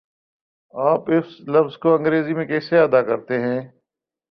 آپ اس لفظ کو انگریزی میں کیسے ادا کرتےہیں؟